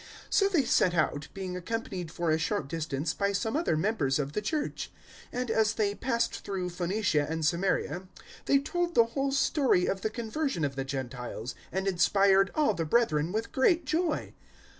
015:003 So they set out, being accompanied for a short distance by some other members of the Church; and as they passed through Phoenicia and Samaria, they told the whole story of the conversion of the Gentiles and inspired all the brethren with great joy.